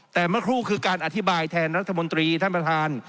แต่เมื่อครูคือการอธิบายแทนรัฐมนตรีท่านประธาน